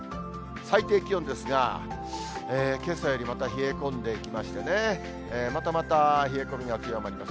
最低気温ですが、けさよりまた冷え込んでいきましてね、またまた冷え込みが強まります。